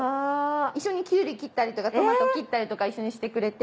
一緒にきゅうり切ったりとかトマト切ったりとか一緒にしてくれて。